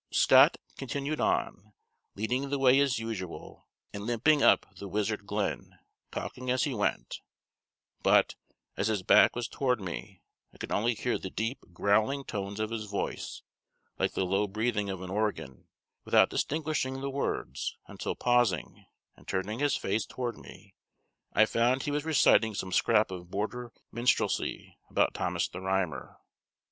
Scott continued on, leading the way as usual, and limping up the wizard glen, talking as he went, but, as his back was toward me, I could only hear the deep growling tones of his voice, like the low breathing of an organ, without distinguishing the words, until pausing, and turning his face toward me, I found he was reciting some scrap of border minstrelsy about Thomas the Rhymer.